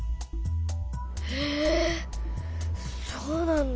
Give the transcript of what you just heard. えそうなんだ。